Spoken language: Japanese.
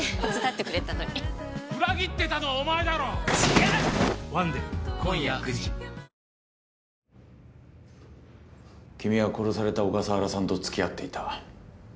めん話つづけて君は殺された小笠原さんと付き合っていた。